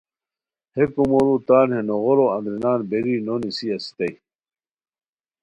ہے کومورو تان ہے نوغورو اندرینار بیری نو نیسی اسیتائے